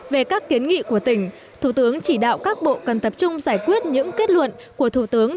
về các kiến nghị của tỉnh thủ tướng chỉ đạo các bộ cần tập trung giải quyết những kết luận của thủ tướng